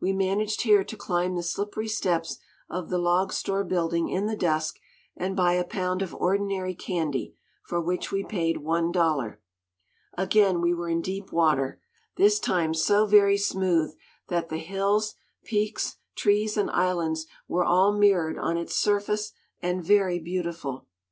We managed here to climb the slippery steps of the log store building in the dusk and buy a pound of ordinary candy, for which we paid one dollar. Again we were in deep water. This time so very smooth that the hills, peaks, trees and islands were all mirrored on its surface, and very beautiful.